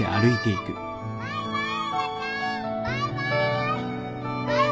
バイバイ。